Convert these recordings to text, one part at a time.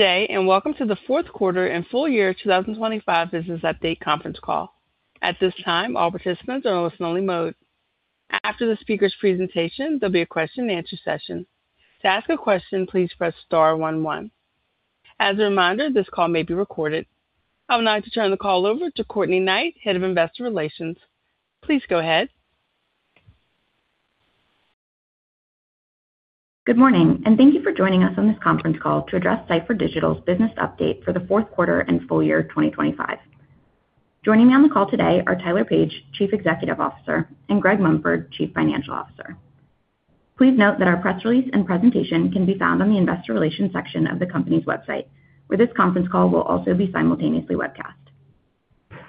day, and welcome to the Fourth Quarter and Full Year 2025 Business Update Conference Call. At this time, all participants are in listen-only mode. After the speaker's presentation, there'll be a question-and-answer session. To ask a question, please press star one one. As a reminder, this call may be recorded. I would now like to turn the call over to Courtney Knight, Head of Investor Relations. Please go ahead. Good morning, thank you for joining us on this conference call to address Cipher Digital's business update for the fourth quarter and full year 2025. Joining me on the call today are Tyler Page, Chief Executive Officer, and Gregory Mumford, Chief Financial Officer. Please note that our press release and presentation can be found on the investor relations section of the company's website, where this conference call will also be simultaneously webcast.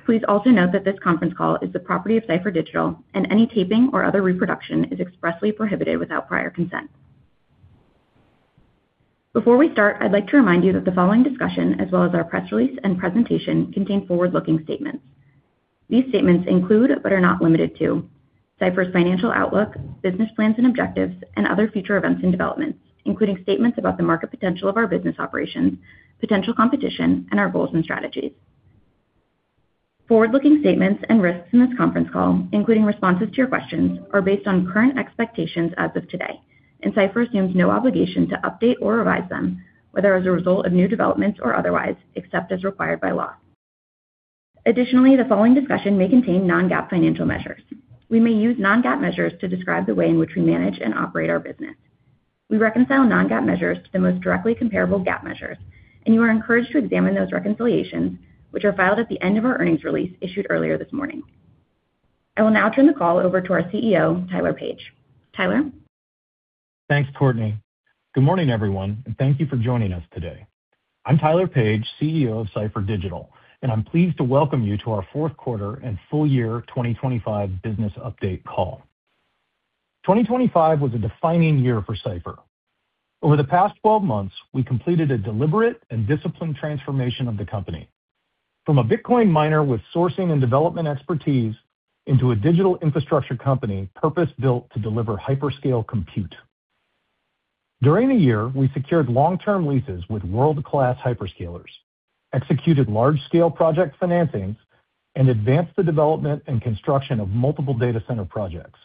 Please also note that this conference call is the property of Cipher Digital, and any taping or other reproduction is expressly prohibited without prior consent. Before we start, I'd like to remind you that the following discussion, as well as our press release and presentation, contain forward-looking statements. These statements include, but are not limited to, Cipher's financial outlook, business plans and objectives, and other future events and developments, including statements about the market potential of our business operations, potential competition, and our goals and strategies. Forward-looking statements and risks in this conference call, including responses to your questions, are based on current expectations as of today, and Cipher assumes no obligation to update or revise them, whether as a result of new developments or otherwise, except as required by law. Additionally, the following discussion may contain non-GAAP financial measures. We may use non-GAAP measures to describe the way in which we manage and operate our business. We reconcile non-GAAP measures to the most directly comparable GAAP measures, and you are encouraged to examine those reconciliations, which are filed at the end of our earnings release issued earlier this morning. I will now turn the call over to our CEO, Tyler Page. Tyler? Thanks, Courtney. Good morning, everyone, and thank you for joining us today. I'm Tyler Page, CEO of Cipher Digital, and I'm pleased to welcome you to our fourth quarter and full year 2025 business update call. 2025 was a defining year for Cipher. Over the past 12 months, we completed a deliberate and disciplined transformation of the company. From a Bitcoin miner with sourcing and development expertise into a digital infrastructure company, purpose-built to deliver hyperscale compute. During the year, we secured long-term leases with world-class hyperscalers, executed large-scale project financings, and advanced the development and construction of multiple data center projects.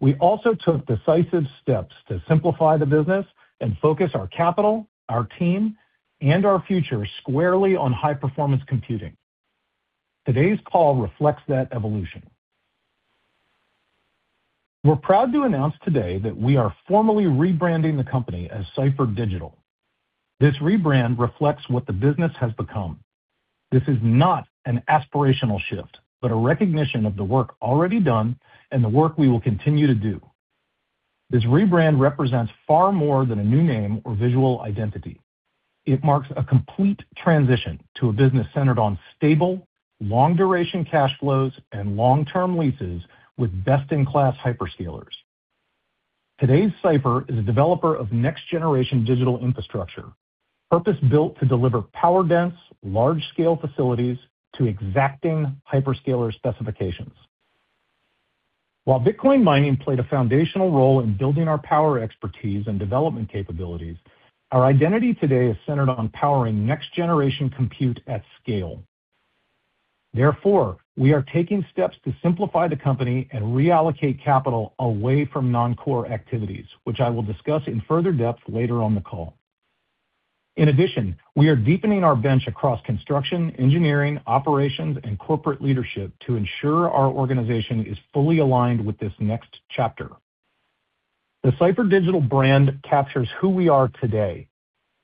We also took decisive steps to simplify the business and focus our capital, our team, and our future squarely on high-performance computing. Today's call reflects that evolution. We're proud to announce today that we are formally rebranding the company as Cipher Digital. This rebrand reflects what the business has become. This is not an aspirational shift, but a recognition of the work already done and the work we will continue to do. This rebrand represents far more than a new name or visual identity. It marks a complete transition to a business centered on stable, long-duration cash flows and long-term leases with best-in-class hyperscalers. Today's Cipher is a developer of next-generation digital infrastructure, purpose-built to deliver power-dense, large-scale facilities to exacting hyperscaler specifications. While Bitcoin mining played a foundational role in building our power expertise and development capabilities, our identity today is centered on powering next-generation compute at scale. We are taking steps to simplify the company and reallocate capital away from non-core activities, which I will discuss in further depth later on the call. In addition, we are deepening our bench across construction, engineering, operations, and corporate leadership to ensure our organization is fully aligned with this next chapter. The Cipher Digital brand captures who we are today,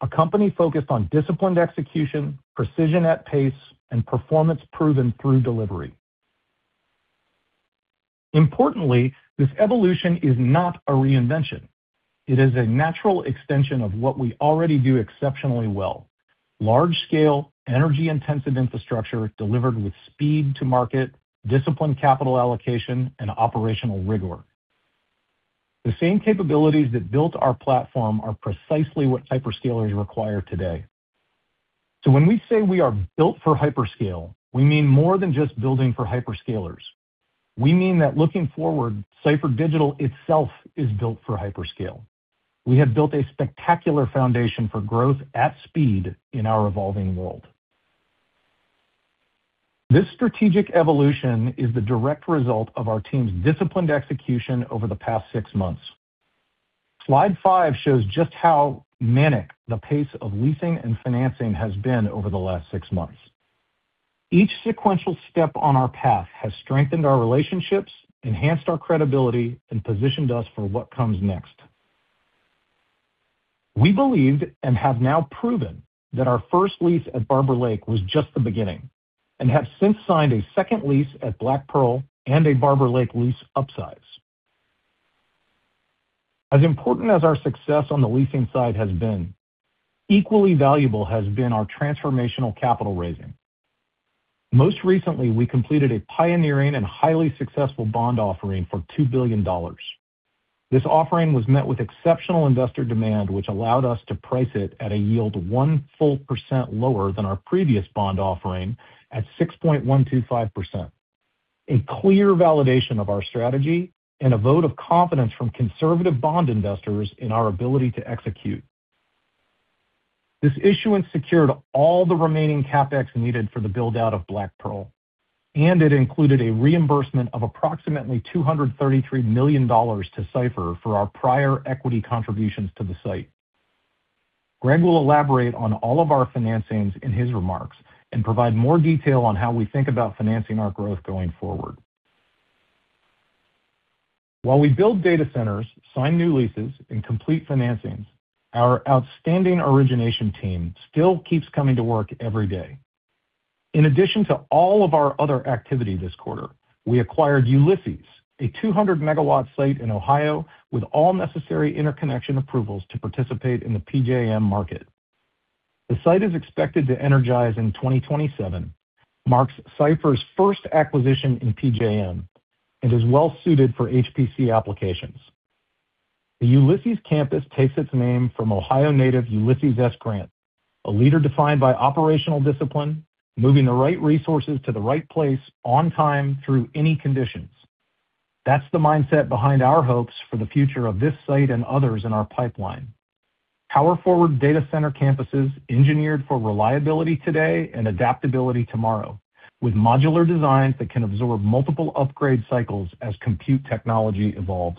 a company focused on disciplined execution, precision at pace, and performance proven through delivery. Importantly, this evolution is not a reinvention. It is a natural extension of what we already do exceptionally well. Large scale, energy-intensive infrastructure delivered with speed to market, disciplined capital allocation, and operational rigor. The same capabilities that built our platform are precisely what hyperscalers require today. When we say we are built for hyperscale, we mean more than just building for hyperscalers. We mean that looking forward, Cipher Digital itself is built for hyperscale. We have built a spectacular foundation for growth at speed in our evolving world. This strategic evolution is the direct result of our team's disciplined execution over the past six months. Slide five shows just how manic the pace of leasing and financing has been over the last six months. Each sequential step on our path has strengthened our relationships, enhanced our credibility, and positioned us for what comes next. We believed, and have now proven, that our first lease at Barber Lake was just the beginning, and have since signed a second lease at Black Pearl and a Barber Lake lease upsize. As important as our success on the leasing side has been, equally valuable has been our transformational capital raising. Most recently, we completed a pioneering and highly successful bond offering for $2 billion. This offering was met with exceptional investor demand, which allowed us to price it at a yield 1 full percent lower than our previous bond offering at 6.125%, a clear validation of our strategy and a vote of confidence from conservative bond investors in our ability to execute. This issuance secured all the remaining CapEx needed for the build-out of Black Pearl, and it included a reimbursement of approximately $233 million to Cipher for our prior equity contributions to the site. Greg will elaborate on all of our financings in his remarks and provide more detail on how we think about financing our growth going forward. While we build data centers, sign new leases, and complete financings, our outstanding origination team still keeps coming to work every day. In addition to all of our other activity this quarter, we acquired Ulysses, a 200 MW site in Ohio, with all necessary interconnection approvals to participate in the PJM market. The site is expected to energize in 2027, marks Cipher's first acquisition in PJM, and is well suited for HPC applications. The Ulysses campus takes its name from Ohio native, Ulysses S. Grant, a leader defined by operational discipline, moving the right resources to the right place on time through any conditions. That's the mindset behind our hopes for the future of this site and others in our pipeline. Power forward data center campuses, engineered for reliability today and adaptability tomorrow, with modular designs that can absorb multiple upgrade cycles as compute technology evolves.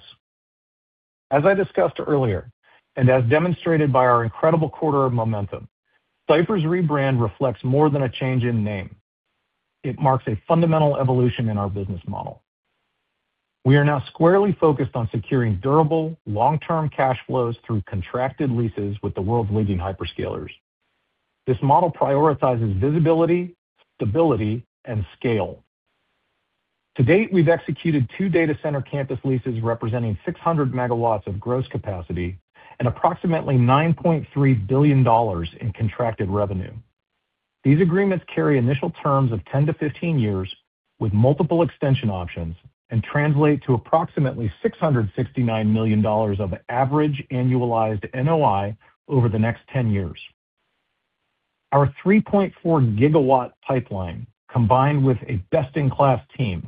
As I discussed earlier, and as demonstrated by our incredible quarter of momentum, Cipher's rebrand reflects more than a change in name. It marks a fundamental evolution in our business model. We are now squarely focused on securing durable, long-term cash flows through contracted leases with the world's leading hyperscalers. This model prioritizes visibility, stability, and scale. To date, we've executed two data center campus leases representing 600 MW of gross capacity and approximately $9.3 billion in contracted revenue. These agreements carry initial terms of 10-15 years, with multiple extension options, and translate to approximately $669 million of average annualized NOI over the next 10 years. Our 3.4 GW pipeline, combined with a best-in-class team,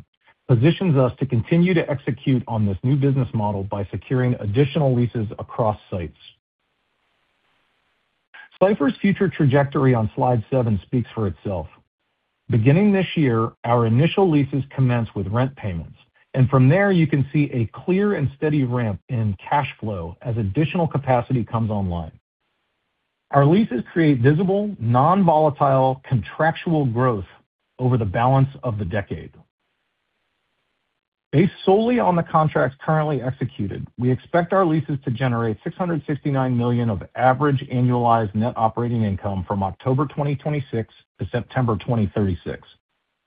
positions us to continue to execute on this new business model by securing additional leases across sites. Cipher's future trajectory on slide seven speaks for itself. Beginning this year, our initial leases commence with rent payments, and from there, you can see a clear and steady ramp in cash flow as additional capacity comes online. Our leases create visible, non-volatile, contractual growth over the balance of the decade. Based solely on the contracts currently executed, we expect our leases to generate $669 million of average annualized net operating income from October 2026 to September 2036.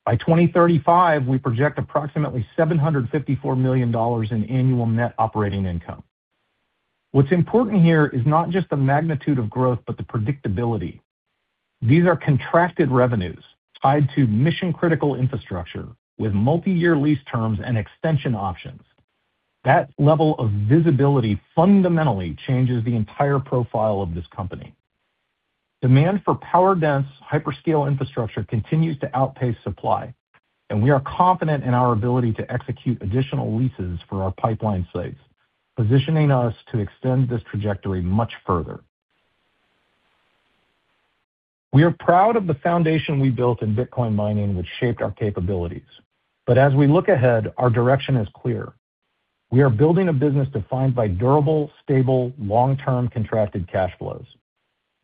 By 2035, we project approximately $754 million in annual net operating income. What's important here is not just the magnitude of growth, but the predictability. These are contracted revenues tied to mission-critical infrastructure with multiyear lease terms and extension options. That level of visibility fundamentally changes the entire profile of this company. Demand for power-dense, hyperscale infrastructure continues to outpace supply, and we are confident in our ability to execute additional leases for our pipeline sites, positioning us to extend this trajectory much further. We are proud of the foundation we built in Bitcoin mining, which shaped our capabilities. As we look ahead, our direction is clear. We are building a business defined by durable, stable, long-term contracted cash flows.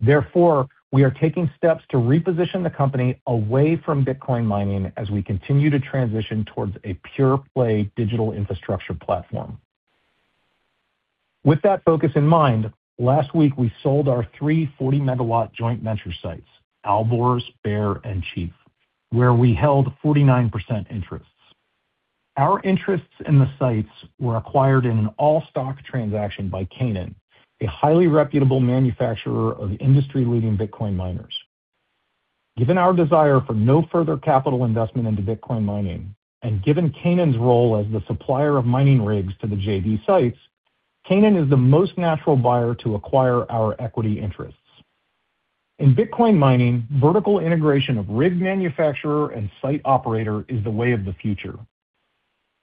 Therefore, we are taking steps to reposition the company away from Bitcoin mining as we continue to transition towards a pure-play digital infrastructure platform. With that focus in mind, last week, we sold our 340 MW joint venture sites, Alborz, Bear, and Chief, where we held 49% interests. Our interests in the sites were acquired in an all-stock transaction by Canaan, a highly reputable manufacturer of industry-leading Bitcoin miners. Given our desire for no further capital investment into Bitcoin mining, and given Canaan's role as the supplier of mining rigs to the JV sites, Canaan is the most natural buyer to acquire our equity interests. In Bitcoin mining, vertical integration of rig manufacturer and site operator is the way of the future.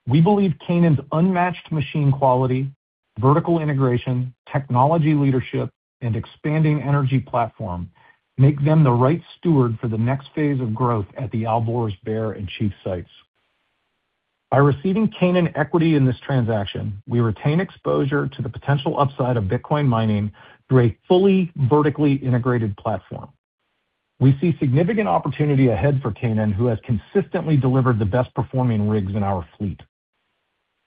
We believe Canaan's unmatched machine quality, vertical integration, technology leadership, and expanding energy platform make them the right steward for the next phase of growth at the Alborz, Bear, and Chief sites. By receiving Canaan equity in this transaction, we retain exposure to the potential upside of Bitcoin mining through a fully vertically integrated platform. We see significant opportunity ahead for Canaan, who has consistently delivered the best-performing rigs in our fleet.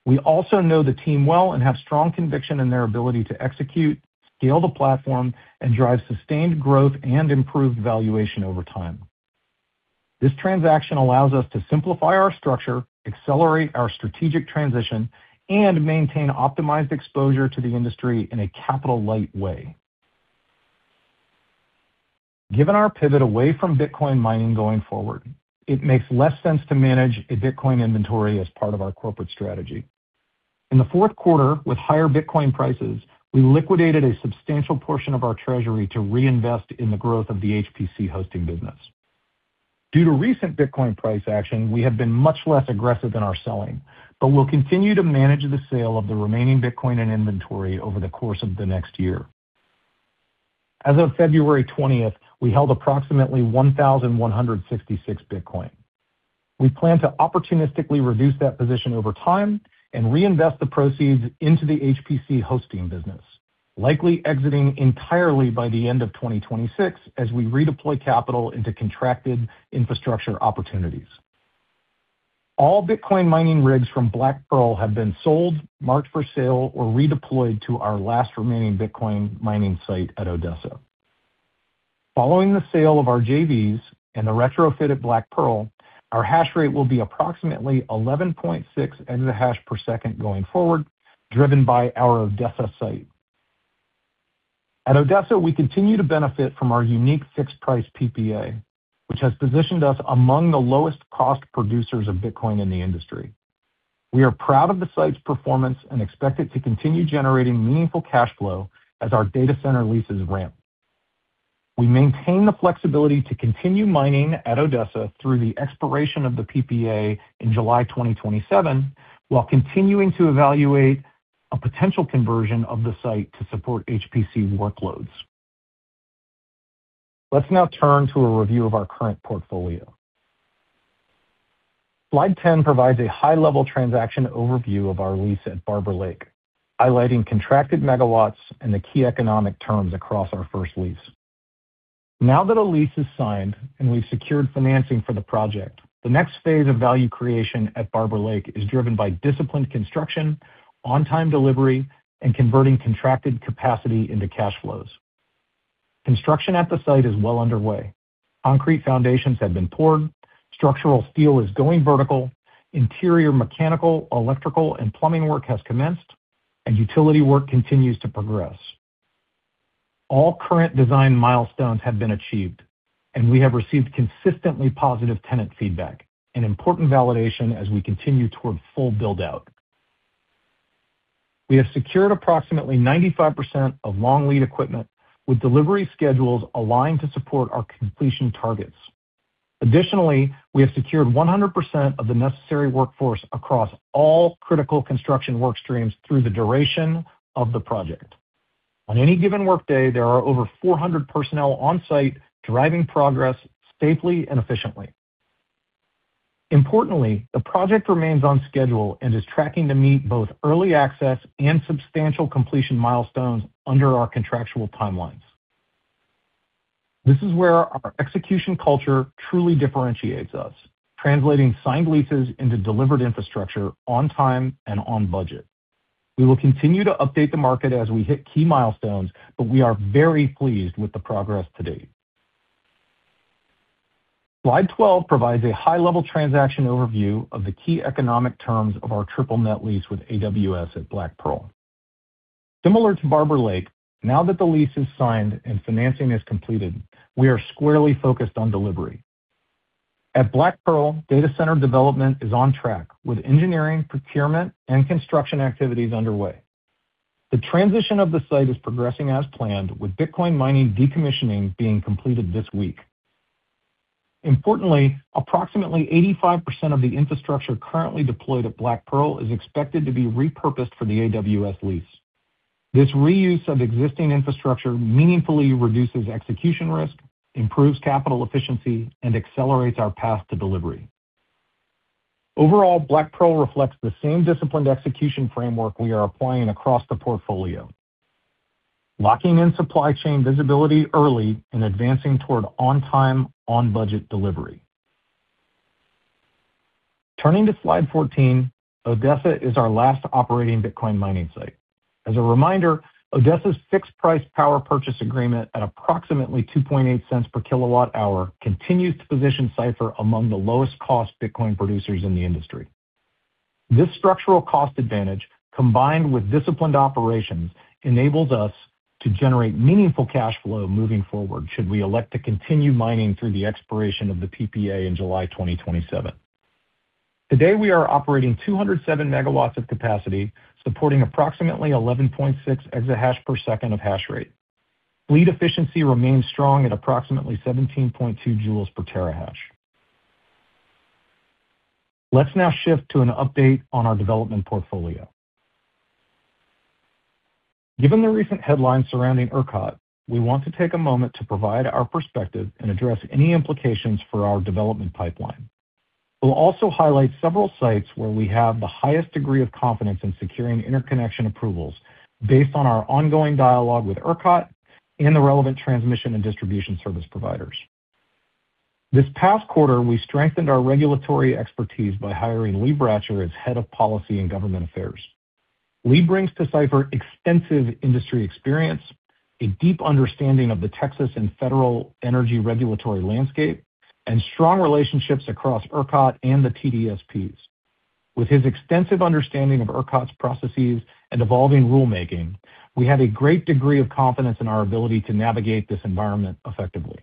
We also know the team well and have strong conviction in their ability to execute, scale the platform, and drive sustained growth and improved valuation over time. This transaction allows us to simplify our structure, accelerate our strategic transition, and maintain optimized exposure to the industry in a capital-light way. Given our pivot away from Bitcoin mining going forward, it makes less sense to manage a Bitcoin inventory as part of our corporate strategy. In the fourth quarter, with higher Bitcoin prices, we liquidated a substantial portion of our treasury to reinvest in the growth of the HPC hosting business. Due to recent Bitcoin price action, we have been much less aggressive in our selling. We'll continue to manage the sale of the remaining Bitcoin and inventory over the course of the next year. As of February 20th, we held approximately 1,166 Bitcoin. We plan to opportunistically reduce that position over time and reinvest the proceeds into the HPC hosting business, likely exiting entirely by the end of 2026 as we redeploy capital into contracted infrastructure opportunities. All Bitcoin mining rigs from Black Pearl have been sold, marked for sale, or redeployed to our last remaining Bitcoin mining site at Odessa. Following the sale of our JVs and the retrofitted Black Pearl, our hash rate will be approximately 11.6 exahash per second going forward, driven by our Odessa site. At Odessa, we continue to benefit from our unique fixed price PPA, which has positioned us among the lowest cost producers of Bitcoin in the industry. We are proud of the site's performance and expect it to continue generating meaningful cash flow as our data center leases ramp. We maintain the flexibility to continue mining at Odessa through the expiration of the PPA in July 2027, while continuing to evaluate a potential conversion of the site to support HPC workloads. Let's now turn to a review of our current portfolio. Slide 10 provides a high-level transaction overview of our lease at Barber Lake, highlighting contracted megawatts and the key economic terms across our first lease. Now that a lease is signed and we've secured financing for the project, the next phase of value creation at Barber Lake is driven by disciplined construction, on-time delivery, and converting contracted capacity into cash flows. Construction at the site is well underway. Concrete foundations have been poured, structural steel is going vertical, interior, mechanical, electrical, and plumbing work has commenced, and utility work continues to progress. All current design milestones have been achieved, and we have received consistently positive tenant feedback, an important validation as we continue toward full build-out. We have secured approximately 95% of long lead equipment, with delivery schedules aligned to support our completion targets. Additionally, we have secured 100% of the necessary workforce across all critical construction work streams through the duration of the project. On any given workday, there are over 400 personnel on-site, driving progress safely and efficiently. Importantly, the project remains on schedule and is tracking to meet both early access and substantial completion milestones under our contractual timelines. This is where our execution culture truly differentiates us, translating signed leases into delivered infrastructure on time and on budget. We will continue to update the market as we hit key milestones, but we are very pleased with the progress to date. Slide 12 provides a high-level transaction overview of the key economic terms of our triple net lease with AWS at Black Pearl. Similar to Barber Lake, now that the lease is signed and financing is completed, we are squarely focused on delivery. At Black Pearl, data center development is on track, with engineering, procurement, and construction activities underway. The transition of the site is progressing as planned, with Bitcoin mining decommissioning being completed this week. Importantly, approximately 85% of the infrastructure currently deployed at Black Pearl is expected to be repurposed for the AWS lease. This reuse of existing infrastructure meaningfully reduces execution risk, improves capital efficiency, and accelerates our path to delivery. Overall, Black Pearl reflects the same disciplined execution framework we are applying across the portfolio, locking in supply chain visibility early and advancing toward on-time, on-budget delivery. Turning to slide 14, Odessa is our last operating Bitcoin mining site. As a reminder, Odessa's fixed price power purchase agreement at approximately $0.028 per kWh continues to position Cipher among the lowest cost Bitcoin producers in the industry. This structural cost advantage, combined with disciplined operations, enables us to generate meaningful cash flow moving forward should we elect to continue mining through the expiration of the PPA in July 2027. Today, we are operating 207 MW of capacity, supporting approximately 11.6 exahash per second of hash rate. Fleet efficiency remains strong at approximately 17.2 joules per terahash. Let's now shift to an update on our development portfolio. Given the recent headlines surrounding ERCOT, we want to take a moment to provide our perspective and address any implications for our development pipeline. We'll also highlight several sites where we have the highest degree of confidence in securing interconnection approvals based on our ongoing dialogue with ERCOT and the relevant transmission and distribution service providers. This past quarter, we strengthened our regulatory expertise by hiring Lee Bratcher as Head of Policy and Government Affairs. Lee brings to Cipher extensive industry experience, a deep understanding of the Texas and Federal energy regulatory landscape, and strong relationships across ERCOT and the TDSPs. With his extensive understanding of ERCOT's processes and evolving rulemaking, we have a great degree of confidence in our ability to navigate this environment effectively.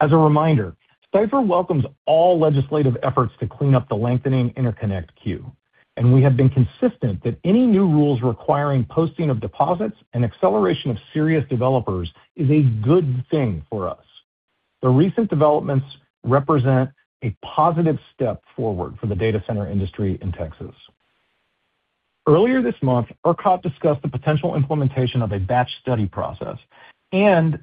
As a reminder, Cipher welcomes all legislative efforts to clean up the lengthening interconnect queue, and we have been consistent that any new rules requiring posting of deposits and acceleration of serious developers is a good thing for us. The recent developments represent a positive step forward for the data center industry in Texas. Earlier this month, ERCOT discussed the potential implementation of a batch study process, and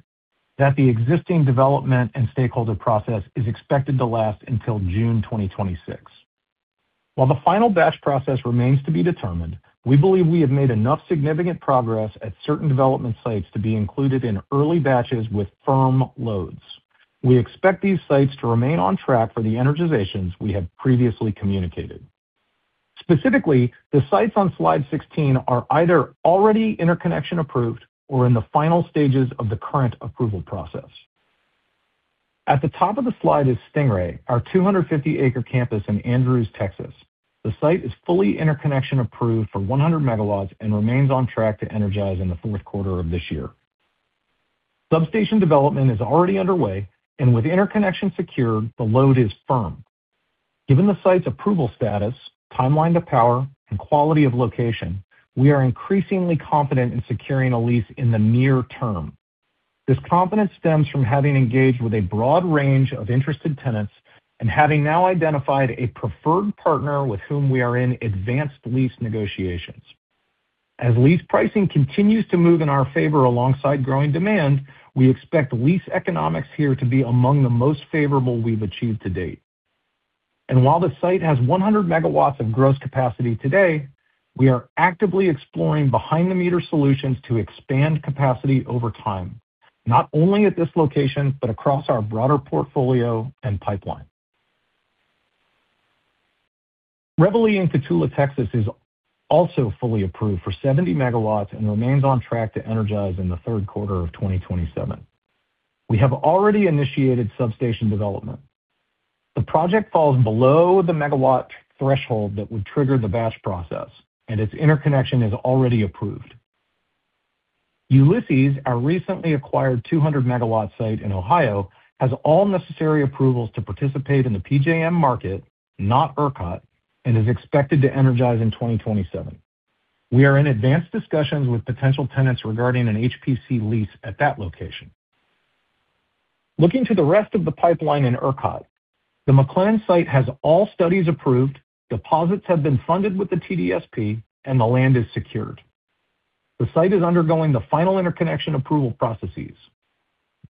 that the existing development and stakeholder process is expected to last until June 2026. While the final batch process remains to be determined, we believe we have made enough significant progress at certain development sites to be included in early batches with firm loads. We expect these sites to remain on track for the energizations we have previously communicated. Specifically, the sites on slide 16 are either already interconnection approved or in the final stages of the current approval process. At the top of the slide is Stingray, our 250-acre campus in Andrews, Texas. The site is fully interconnection approved for 100 MW and remains on track to energize in the fourth quarter of this year. Substation development is already underway, and with interconnection secured, the load is firm. Given the site's approval status, timeline to power, and quality of location, we are increasingly confident in securing a lease in the near term. This confidence stems from having engaged with a broad range of interested tenants and having now identified a preferred partner with whom we are in advanced lease negotiations. As lease pricing continues to move in our favor alongside growing demand, we expect lease economics here to be among the most favorable we've achieved to date. While the site has 100 MW of gross capacity today, we are actively exploring behind-the-meter solutions to expand capacity over time, not only at this location, but across our broader portfolio and pipeline. Reveille in Cotulla, Texas, is also fully approved for 70 MW and remains on track to energize in the third quarter of 2027. We have already initiated substation development. The project falls below the megawatt threshold that would trigger the batch study process, and its interconnection is already approved. Ulysses, our recently acquired 200 MW site in Ohio, has all necessary approvals to participate in the PJM market, not ERCOT, and is expected to energize in 2027. We are in advanced discussions with potential tenants regarding an HPC lease at that location. Looking to the rest of the pipeline in ERCOT, the McLennan site has all studies approved, deposits have been funded with the TDSP, and the land is secured. The site is undergoing the final interconnection approval processes.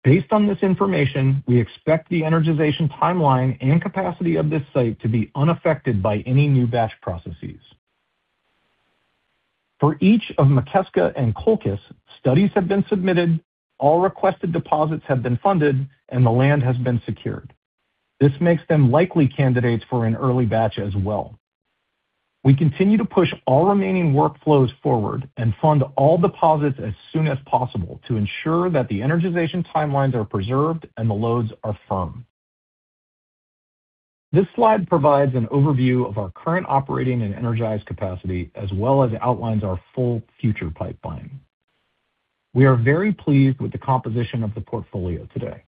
Based on this information, we expect the energization, timeline, and capacity of this site to be unaffected by any new batch processes. For each of Mikeska and Colchis, studies have been submitted, all requested deposits have been funded, and the land has been secured. This makes them likely candidates for an early batch as well. We continue to push all remaining workflows forward and fund all deposits as soon as possible to ensure that the energization timelines are preserved and the loads are firm. This slide provides an overview of our current operating and energized capacity, as well as outlines our full future pipeline. We are very pleased with the composition of the portfolio today.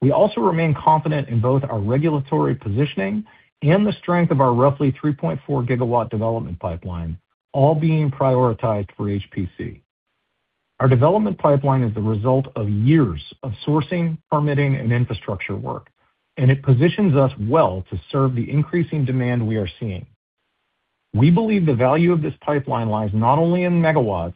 We also remain confident in both our regulatory positioning and the strength of our roughly 3.4 GW development pipeline, all being prioritized for HPC. Our development pipeline is the result of years of sourcing, permitting, and infrastructure work, and it positions us well to serve the increasing demand we are seeing. We believe the value of this pipeline lies not only in megawatts,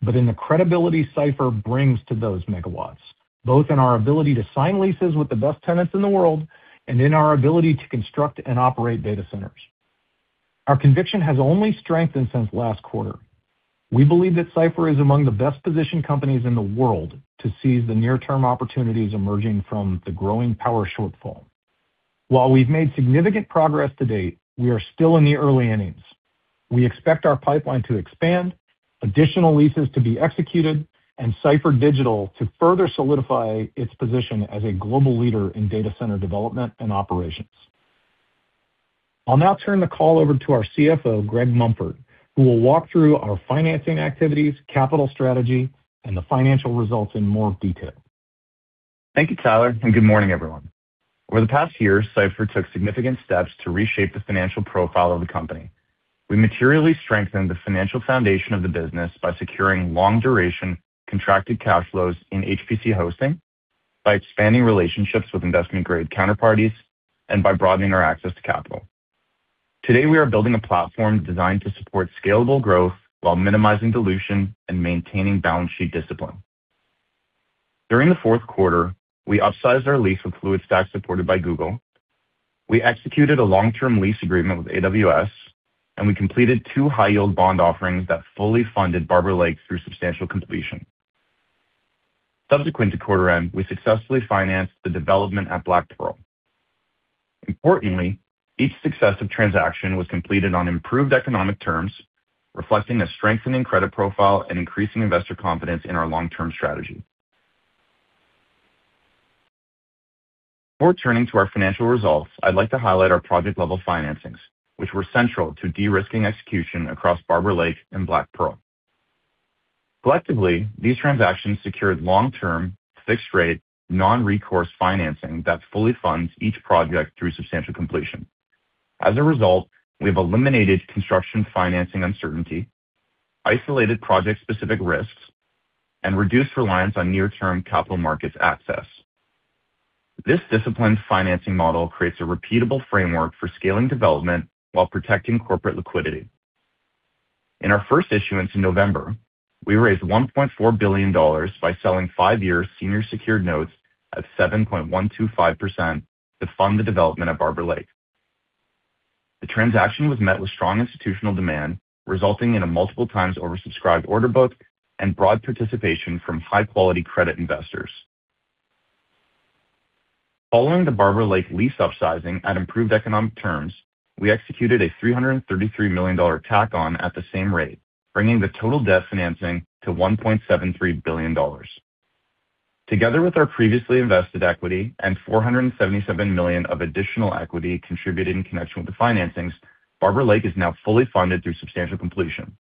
but in the credibility Cipher brings to those megawatts, both in our ability to sign leases with the best tenants in the world and in our ability to construct and operate data centers. Our conviction has only strengthened since last quarter. We believe that Cipher is among the best-positioned companies in the world to seize the near-term opportunities emerging from the growing power shortfall. While we've made significant progress to date, we are still in the early innings. We expect our pipeline to expand, additional leases to be executed, and Cipher Digital to further solidify its position as a global leader in data center development and operations. I'll now turn the call over to our CFO, Gregory Mumford, who will walk through our financing activities, capital strategy, and the financial results in more detail. Thank you, Tyler. Good morning, everyone. Over the past year, Cipher took significant steps to reshape the financial profile of the company. We materially strengthened the financial foundation of the business by securing long-duration, contracted cash flows in HPC hosting, by expanding relationships with investment-grade counterparties, and by broadening our access to capital. Today, we are building a platform designed to support scalable growth while minimizing dilution and maintaining balance sheet discipline. During the fourth quarter, we upsized our lease with Fluidstack, supported by Google. We executed a long-term lease agreement with AWS, and we completed two high-yield bond offerings that fully funded Barber Lake through substantial completion. Subsequent to quarter end, we successfully financed the development at Black Pearl. Importantly, each successive transaction was completed on improved economic terms, reflecting a strengthening credit profile and increasing investor confidence in our long-term strategy. Before turning to our financial results, I'd like to highlight our project-level financings, which were central to de-risking execution across Barber Lake and Black Pearl. Collectively, these transactions secured long-term, fixed-rate, non-recourse financing that fully funds each project through substantial completion. As a result, we have eliminated construction financing uncertainty, isolated project-specific risks, and reduced reliance on near-term capital markets access. This disciplined financing model creates a repeatable framework for scaling development while protecting corporate liquidity. In our first issuance in November, we raised $1.4 billion by selling five-year senior secured notes at 7.125% to fund the development at Barber Lake. The transaction was met with strong institutional demand, resulting in a multiple times oversubscribed order book and broad participation from high-quality credit investors. Following the Barber Lake lease upsizing at improved economic terms, we executed a $333 million tack on at the same rate, bringing the total debt financing to $1.73 billion. Together with our previously invested equity and $477 million of additional equity contributed in connection with the financings, Barber Lake is now fully funded through substantial completion.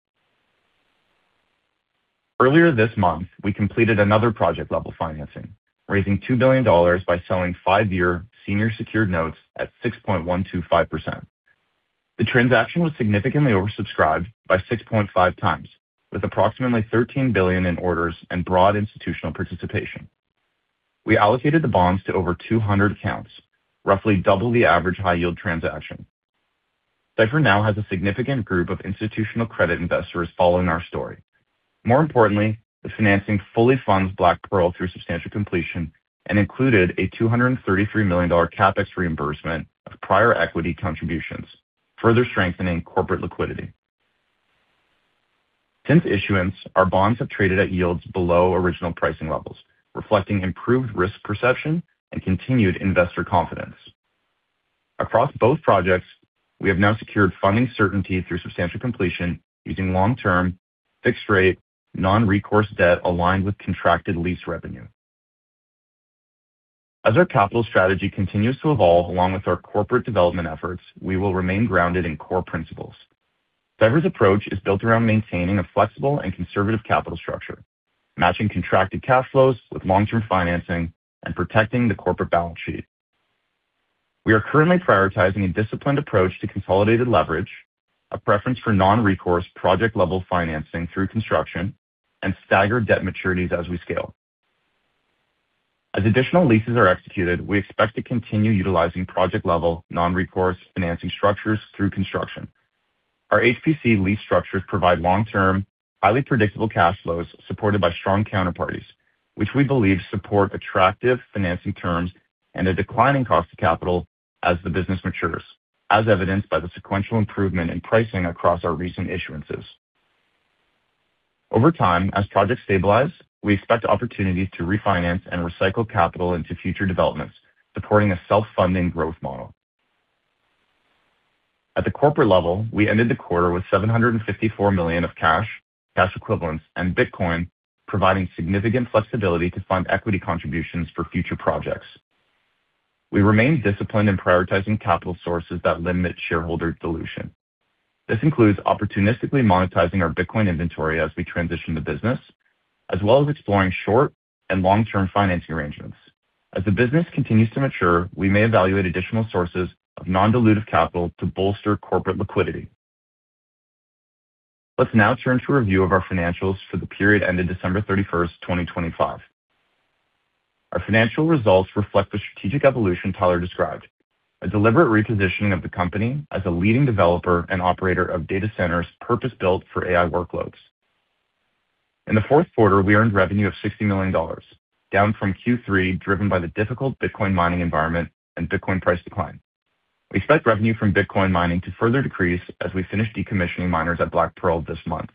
Earlier this month, we completed another project-level financing, raising $2 billion by selling five-year senior secured notes at 6.125%. The transaction was significantly oversubscribed by 6.5 times, with approximately $13 billion in orders and broad institutional participation. We allocated the bonds to over 200 accounts, roughly double the average high-yield transaction. Cipher now has a significant group of institutional credit investors following our story. More importantly, the financing fully funds Black Pearl through substantial completion and included a $233 million CapEx reimbursement of prior equity contributions, further strengthening corporate liquidity. Since issuance, our bonds have traded at yields below original pricing levels, reflecting improved risk perception and continued investor confidence. Across both projects, we have now secured funding certainty through substantial completion using long-term, fixed-rate, non-recourse debt aligned with contracted lease revenue. As our capital strategy continues to evolve, along with our corporate development efforts, we will remain grounded in core principles. Cipher's approach is built around maintaining a flexible and conservative capital structure, matching contracted cash flows with long-term financing, and protecting the corporate balance sheet. We are currently prioritizing a disciplined approach to consolidated leverage, a preference for non-recourse project-level financing through construction, and staggered debt maturities as we scale. As additional leases are executed, we expect to continue utilizing project-level, non-recourse financing structures through construction. Our HPC lease structures provide long-term, highly predictable cash flows supported by strong counterparties, which we believe support attractive financing terms and a declining cost of capital as the business matures, as evidenced by the sequential improvement in pricing across our recent issuances. Over time, as projects stabilize, we expect opportunities to refinance and recycle capital into future developments, supporting a self-funding growth model. At the corporate level, we ended the quarter with $754 million of cash equivalents, and Bitcoin, providing significant flexibility to fund equity contributions for future projects. We remain disciplined in prioritizing capital sources that limit shareholder dilution. This includes opportunistically monetizing our Bitcoin inventory as we transition the business, as well as exploring short- and long-term financing arrangements. As the business continues to mature, we may evaluate additional sources of non-dilutive capital to bolster corporate liquidity. Let's now turn to a review of our financials for the period ended December 31st, 2025. Our financial results reflect the strategic evolution Tyler described, a deliberate repositioning of the company as a leading developer and operator of data centers purpose-built for AI workloads. In the fourth quarter, we earned revenue of $60 million, down from Q3, driven by the difficult Bitcoin mining environment and Bitcoin price decline. We expect revenue from Bitcoin mining to further decrease as we finish decommissioning miners at Black Pearl this month.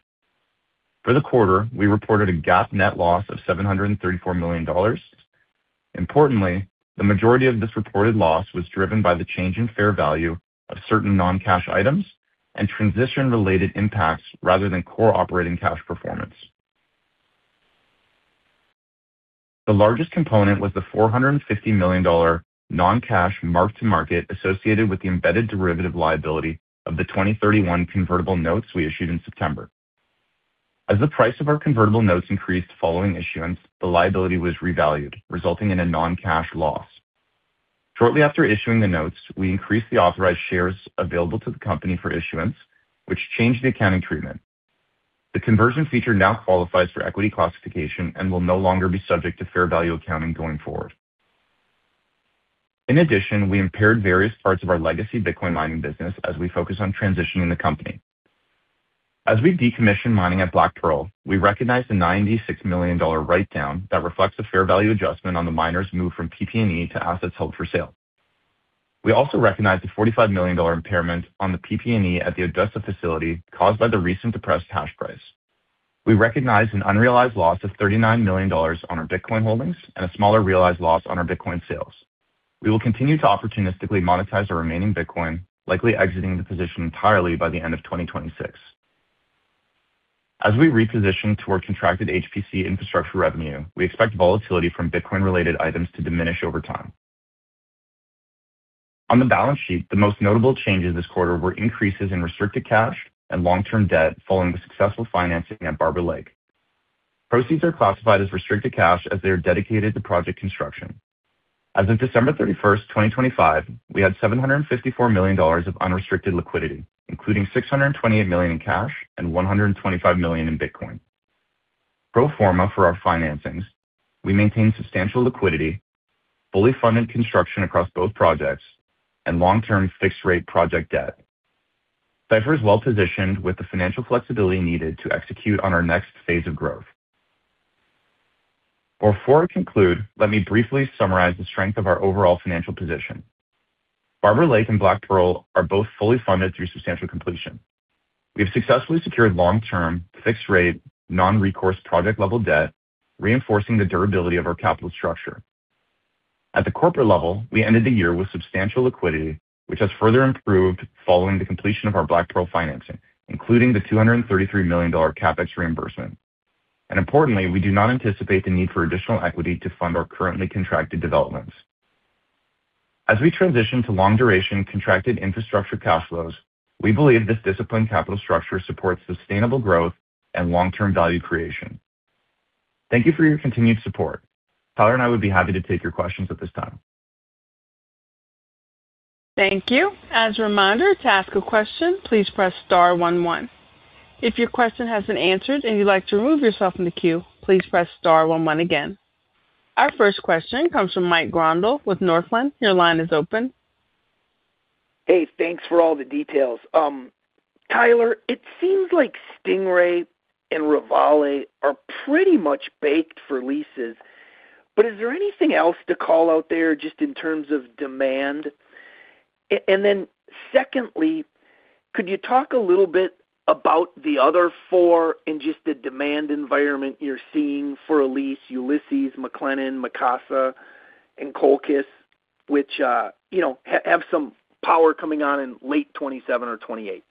For the quarter, we reported a GAAP net loss of $734 million. Importantly, the majority of this reported loss was driven by the change in fair value of certain non-cash items and transition-related impacts rather than core operating cash performance. The largest component was the $450 million non-cash mark-to-market associated with the embedded derivative liability of the 2031 convertible notes we issued in September. As the price of our convertible notes increased following issuance, the liability was revalued, resulting in a non-cash loss. Shortly after issuing the notes, we increased the authorized shares available to the company for issuance, which changed the accounting treatment. The conversion feature now qualifies for equity classification and will no longer be subject to fair value accounting going forward. We impaired various parts of our legacy Bitcoin mining business as we focus on transitioning the company. As we decommission mining at Black Pearl, we recognized a $96 million write-down that reflects a fair value adjustment on the miners moved from PP&E to assets held for sale. We also recognized a $45 million impairment on the PP&E at the Odessa facility caused by the recent depressed hash price. We recognized an unrealized loss of $39 million on our Bitcoin holdings and a smaller realized loss on our Bitcoin sales. We will continue to opportunistically monetize our remaining Bitcoin, likely exiting the position entirely by the end of 2026. As we reposition toward contracted HPC infrastructure revenue, we expect volatility from Bitcoin-related items to diminish over time. On the balance sheet, the most notable changes this quarter were increases in restricted cash and long-term debt following the successful financing at Barber Lake. Proceeds are classified as restricted cash as they are dedicated to project construction. As of December 31st, 2025, we had $754 million of unrestricted liquidity, including $628 million in cash and $125 million in Bitcoin. Pro forma for our financings, we maintained substantial liquidity, fully funded construction across both projects, and long-term fixed rate project debt. Cipher is well-positioned with the financial flexibility needed to execute on our next phase of growth. Before I conclude, let me briefly summarize the strength of our overall financial position. Barber Lake and Black Pearl are both fully funded through substantial completion. We have successfully secured long-term, fixed rate, non-recourse, project-level debt, reinforcing the durability of our capital structure. At the corporate level, we ended the year with substantial liquidity, which has further improved following the completion of our Black Pearl financing, including the $233 million CapEx reimbursement. Importantly, we do not anticipate the need for additional equity to fund our currently contracted developments. As we transition to long-duration, contracted infrastructure cash flows, we believe this disciplined capital structure supports sustainable growth and long-term value creation. Thank you for your continued support. Tyler and I would be happy to take your questions at this time. Thank you. As a reminder, to ask a question, please press star one. If your question has been answered and you'd like to remove yourself from the queue, please press star one one again. Our first question comes from Mike Grondahl with Northland. Your line is open. Hey, thanks for all the details. Tyler, it seems like Stingray and Reveille are pretty much baked for leases, but is there anything else to call out there just in terms of demand? Secondly, could you talk a little bit about the other four and just the demand environment you're seeing for Elise, Ulysses, McLennan, Mikeska, and Colchis, which, have some power coming on in late 2027 or 2028?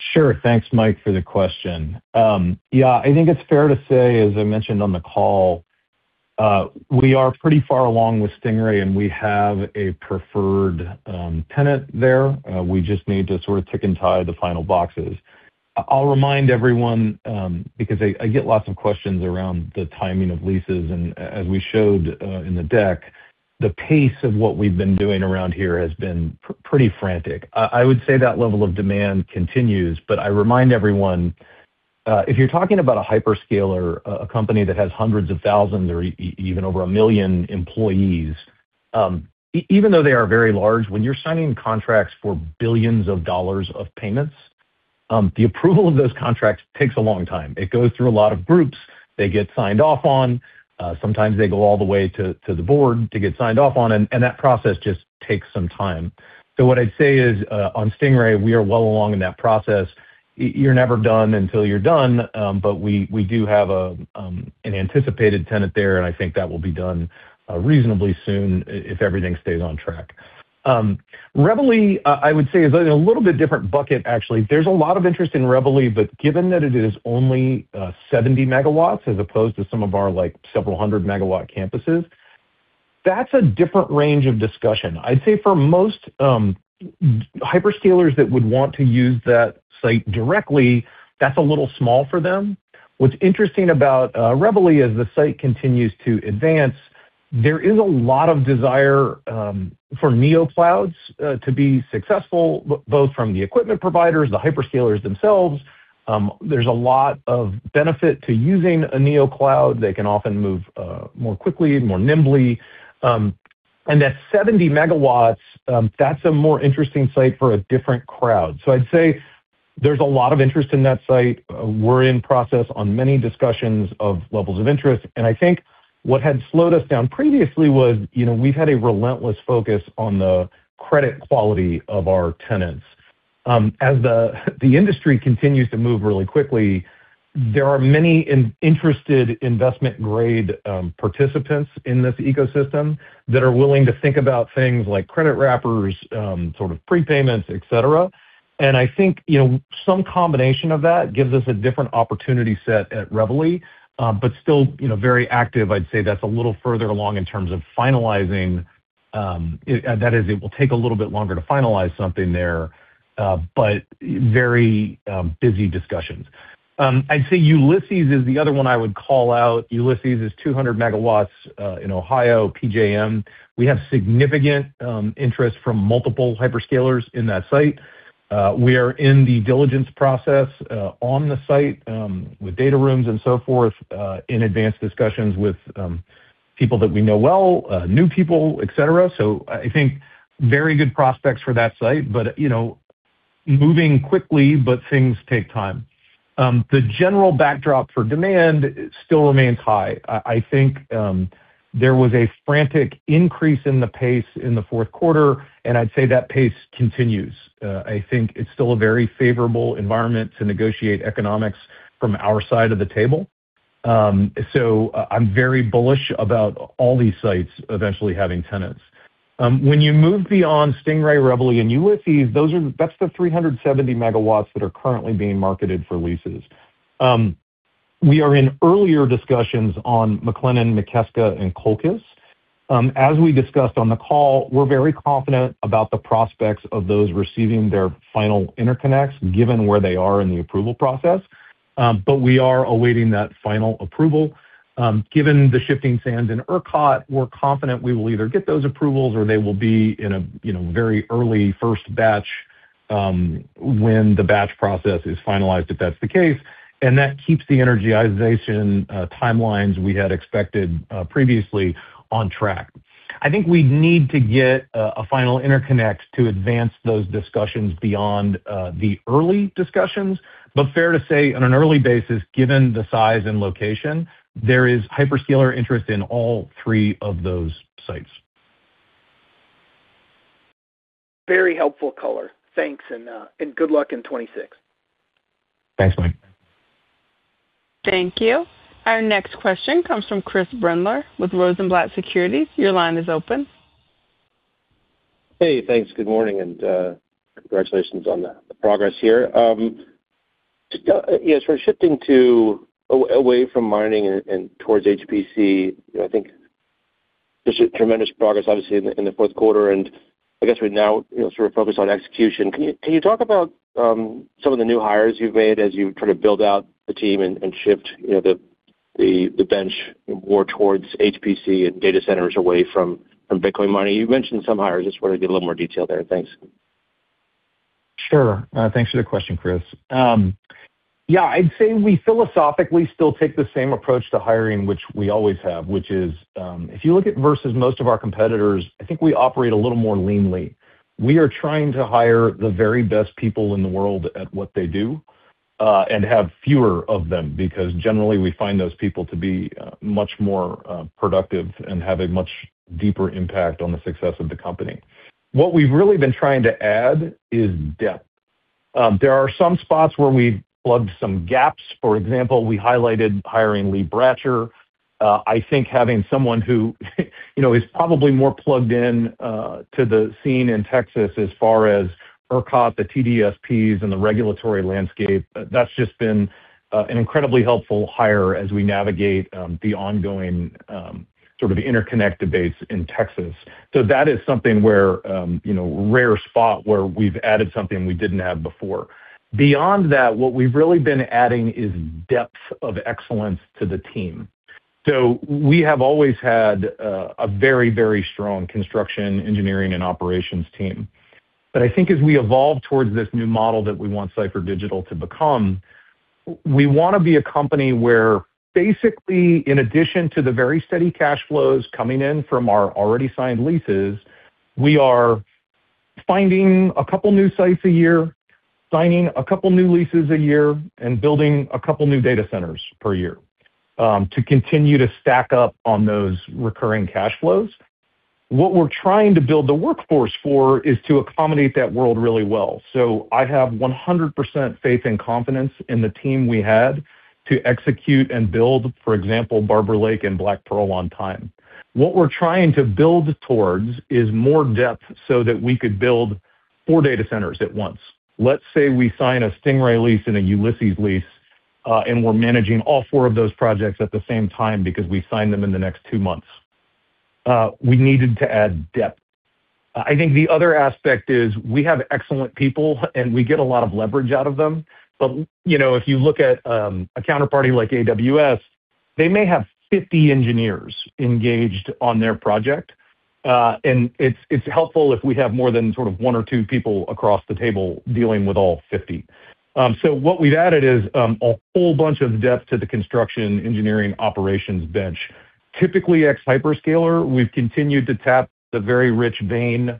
Sure. Thanks, Mike, for the question. Yeah, I think it's fair to say, as I mentioned on the call, we are pretty far along with Stingray, and we have a preferred tenant there. We just need to sort of tick and tie the final boxes. I'll remind everyone, because I get lots of questions around the timing of leases, and as we showed in the deck, the pace of what we've been doing around here has been pretty frantic. I would say that level of demand continues, but I remind everyone, if you're talking about a hyperscaler, a company that has hundreds of thousands or even over a million employees, even though they are very large, when you're signing contracts for billions of dollars of payments, the approval of those contracts takes a long time. It goes through a lot of groups. They get signed off on, sometimes they go all the way to the board to get signed off on, and that process just takes some time. What I'd say is, on Stingray, we are well along in that process. You're never done until you're done, but we do have an anticipated tenant there, and I think that will be done reasonably soon if everything stays on track. Reveille, I would say, is in a little bit different bucket actually. There's a lot of interest in Reveille, but given that it is only 70 MW, as opposed to some of our, like, several hundred-megawatt campuses, that's a little small for them. What's interesting about Reveille, as the site continues to advance, there is a lot of desire for neoclouds to be successful, both from the equipment providers, the hyperscalers themselves. There's a lot of benefit to using a neocloud. They can often move more quickly, more nimbly. That 70 MW, that's a more interesting site for a different crowd. I'd say there's a lot of interest in that site. We're in process on many discussions of levels of interest, and I think what had slowed us down previously was, you know, we've had a relentless focus on the credit quality of our tenants. As the industry continues to move really quickly, there are many interested investment-grade participants in this ecosystem that are willing to think about things like credit wrappers, sort of prepayments, et cetera. I think, you know, some combination of that gives us a different opportunity set at Reveille, but still, you know, very active. I'd say that's a little further along in terms of finalizing that is, it will take a little bit longer to finalize something there, but very busy discussions. I'd say Ulysses is the other one I would call out. Ulysses is 200 MW in Ohio, PJM. We have significant interest from multiple hyperscalers in that site. We are in the diligence process on the site, with data rooms and so forth, in advanced discussions with people that we know well, new people, et cetera. I think very good prospects for that site, but, you know, moving quickly, but things take time. The general backdrop for demand still remains high. I think there was a frantic increase in the pace in the fourth quarter. I'd say that pace continues. I think it's still a very favorable environment to negotiate economics from our side of the table. I'm very bullish about all these sites eventually having tenants. When you move beyond Stingray, Reveille and Ulysses, that's the 370 MW that are currently being marketed for leases. We are in earlier discussions on McLennan, Mikeska, and Colchis. As we discussed on the call, we're very confident about the prospects of those receiving their final interconnects, given where they are in the approval process. We are awaiting that final approval. Given the shifting sands in ERCOT, we're confident we will either get those approvals or they will be in a, you know, very early first batch, when the batch process is finalized, if that's the case, and that keeps the energization, timelines we had expected previously on track. I think we need to get a final interconnect to advance those discussions beyond the early discussions. Fair to say, on an early basis, given the size and location, there is hyperscaler interest in all three of those sites. Very helpful color. Thanks, and good luck in 2026. Thanks, Mike. Thank you. Our next question comes from Chris Brendler with Rosenblatt Securities. Your line is open. Hey, thanks. Good morning, and congratulations on the progress here. Yes, we're shifting away from mining and towards HPC. I think there's tremendous progress, obviously, in the fourth quarter. I guess we're now, you know, sort of focused on execution. Can you, can you talk about some of the new hires you've made as you try to build out the team and shift, you know, the, the bench more towards HPC and data centers away from Bitcoin mining? You mentioned some hires. I just wanted to get a little more detail there. Thanks. Sure. Thanks for the question, Chris. Yeah, I'd say we philosophically still take the same approach to hiring, which we always have, which is, if you look at versus most of our competitors, I think we operate a little more leanly. We are trying to hire the very best people in the world at what they do, and have fewer of them, because generally we find those people to be much more productive and have a much deeper impact on the success of the company. What we've really been trying to add is depth. There are some spots where we've plugged some gaps. For example, we highlighted hiring Lee Bratcher. I think having someone who, you know, is probably more plugged in to the scene in Texas as far as ERCOT, the TDSPs, and the regulatory landscape, that's just been an incredibly helpful hire as we navigate the ongoing sort of interconnect debates in Texas. That is something where, you know, rare spot where we've added something we didn't have before. Beyond that, what we've really been adding is depth of excellence to the team. We have always had a very, very strong construction, engineering, and operations team. I think as we evolve towards this new model that we want Cipher Digital to become, we wanna be a company where basically, in addition to the very steady cash flows coming in from our already signed leases, we are finding a couple new sites a year, signing a couple new leases a year, and building a couple new data centers per year, to continue to stack up on those recurring cash flows. What we're trying to build the workforce for is to accommodate that world really well. I have 100% faith and confidence in the team we had to execute and build, for example, Barber Lake and Black Pearl on time. What we're trying to build towards is more depth, so that we could build four data centers at once. Let's say we sign a Stingray lease and a Ulysses lease, and we're managing all four of those projects at the same time because we signed them in the next two months. We needed to add depth. I think the other aspect is we have excellent people, and we get a lot of leverage out of them. You know, if you look at a counterparty like AWS, they may have 50 engineers engaged on their project. It's, it's helpful if we have more than sort of one or two people across the table dealing with all 50. What we've added is a whole bunch of depth to the construction, engineering, operations bench. Typically, ex-hyperscaler, we've continued to tap the very rich vein,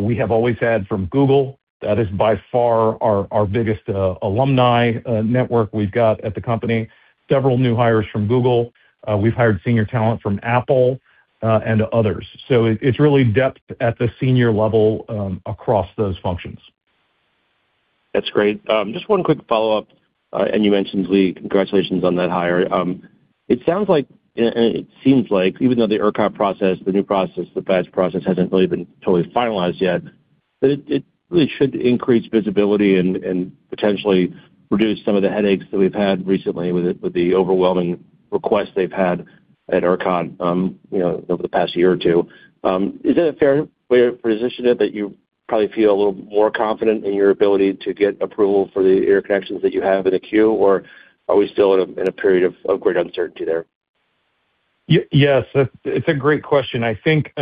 we have always had from Google. That is by far our biggest alumni network we've got at the company. Several new hires from Google. We've hired senior talent from Apple and others. It's really depth at the senior level across those functions. That's great. Just one quick follow-up. You mentioned Lee. Congratulations on that hire. It sounds like, and it seems like even though the ERCOT process, the new process, the batch process, hasn't really been totally finalized yet, that it really should increase visibility and potentially reduce some of the headaches that we've had recently with the overwhelming requests they've had at ERCOT, you know, over the past year or two. Is it a fair way of positioning it, that you probably feel a little more confident in your ability to get approval for the interconnections that you have in the queue, or are we still in a period of great uncertainty there? Yes, it's a great question. I think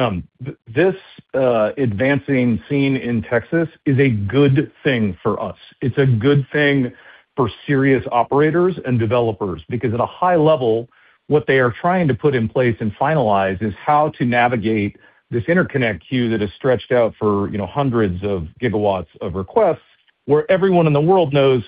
this advancing scene in Texas is a good thing for us. It's a good thing for serious operators and developers, because at a high level, what they are trying to put in place and finalize is how to navigate this interconnect queue that is stretched out for, you know, hundreds of gigawatts of requests, where everyone in the world knows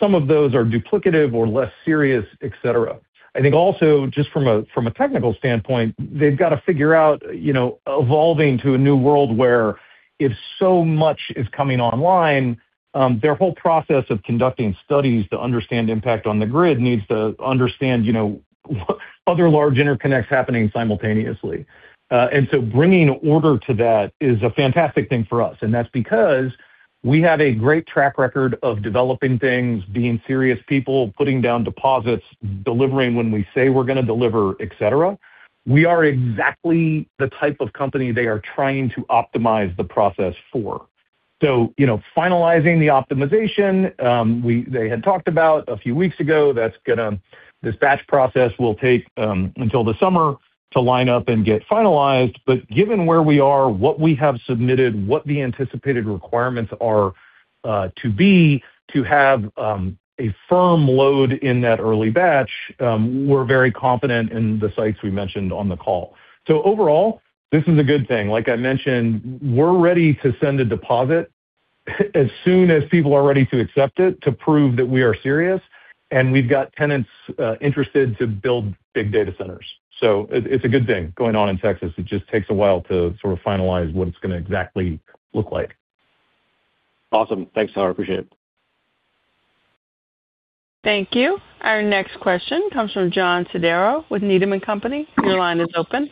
some of those are duplicative or less serious, et cetera. I think also, just from a technical standpoint, they've got to figure out, you know, evolving to a new world where if so much is coming online, their whole process of conducting studies to understand impact on the grid needs to understand, you know, what other large interconnects happening simultaneously. Bringing order to that is a fantastic thing for us, and that's because we have a great track record of developing things, being serious people, putting down deposits, delivering when we say we're gonna deliver, et cetera. We are exactly the type of company they are trying to optimize the process for. You know, finalizing the optimization, they had talked about a few weeks ago, that's gonna, this batch process will take until the summer to line up and get finalized. Given where we are, what we have submitted, what the anticipated requirements are, to be to have a firm load in that early batch, we're very confident in the sites we mentioned on the call. Overall, this is a good thing. Like I mentioned, we're ready to send a deposit as soon as people are ready to accept it, to prove that we are serious, and we've got tenants, interested to build big data centers. It's a good thing going on in Texas. It just takes a while to sort of finalize what it's gonna exactly look like. Awesome. Thanks, Tyler. Appreciate it. Thank you. Our next question comes from John Todaro with Needham & Company. Your line is open.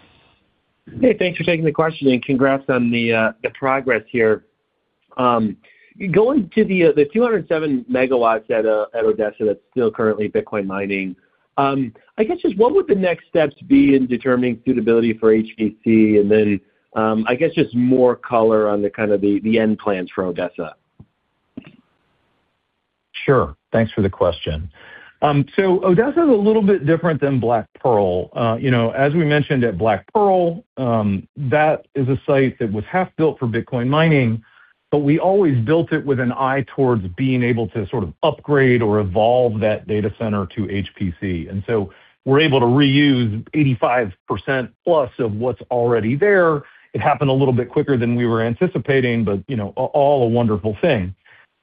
Hey, thanks for taking the question, and congrats on the progress here. Going to the 207 MW at Odessa that's still currently Bitcoin mining, I guess, just what would the next steps be in determining suitability for HPC? Then, I guess just more color on the kind of the end plans for Odessa? Sure. Thanks for the question. Odessa is a little bit different than Black Pearl. You know, as we mentioned at Black Pearl, that is a site that was half built for Bitcoin mining, but we always built it with an eye towards being able to sort of upgrade or evolve that data center to HPC. We're able to reuse 85% plus of what's already there. It happened a little bit quicker than we were anticipating, but, you know, all a wonderful thing.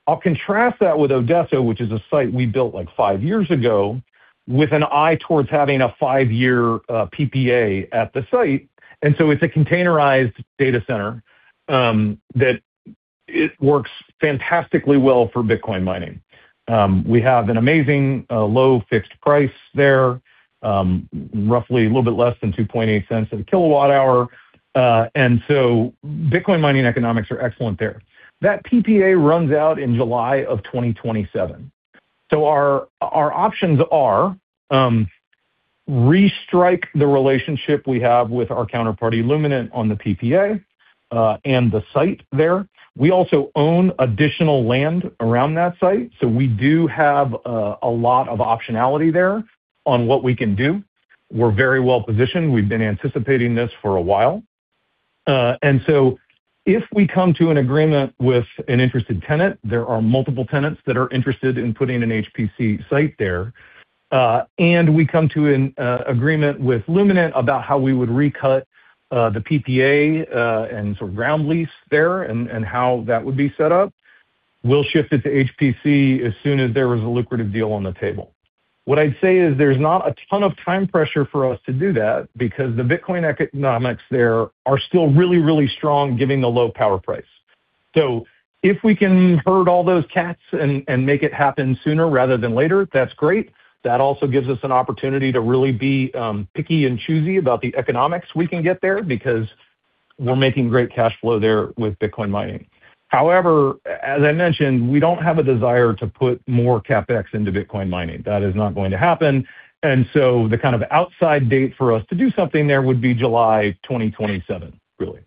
I'll contrast that with Odessa, which is a site we built, like, five years ago, with an eye towards having a five-year, PPA at the site, and so it's a containerized data center, that it works fantastically well for Bitcoin mining. We have an amazing low fixed price there, roughly a little bit less than $0.028 a kWh. Bitcoin mining economics are excellent there. That PPA runs out in July of 2027. Our options are restrike the relationship we have with our counterparty, Luminant, on the PPA and the site there. We also own additional land around that site. We do have a lot of optionality there on what we can do. We're very well positioned. We've been anticipating this for a while. If we come to an agreement with an interested tenant, there are multiple tenants that are interested in putting an HPC site there, uh, and we come to an agreement with Luminant about how we would recut, uh, the PPA, uh, and sort of ground lease there and how that would be set up, we'll shift it to HPC as soon as there is a lucrative deal on the table. What I'd say is there's not a ton of time pressure for us to do that because the Bitcoin economics there are still really, really strong, giving the low power price. So if we can herd all those cats and make it happen sooner rather than later, that's great. That also gives us an opportunity to really be picky and choosy about the economics we can get there because we're making great cash flow there with Bitcoin mining. However, as I mentioned, we don't have a desire to put more CapEx into Bitcoin mining. That is not going to happen. The kind of outside date for us to do something there would be July 2027, really.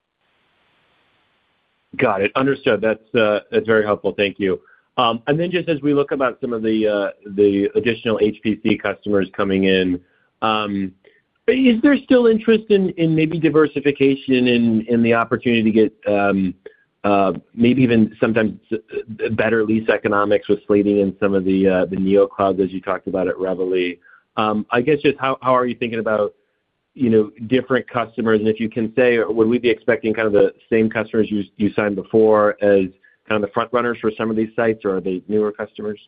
Got it. Understood. That's, that's very helpful. Thank you. Then just as we look about some of the additional HPC customers coming in, is there still interest in maybe diversification in the opportunity to get, maybe even sometimes better lease economics with slating in some of the Neoclouds, as you talked about at Reveille? I guess just how are you thinking about, you know, different customers? If you can say, would we be expecting kind of the same customers you signed before as kind of the front runners for some of these sites, or are they newer customers?